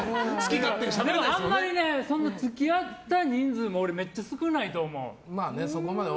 あんまり付き合った人数俺めっちゃ少ないと思う。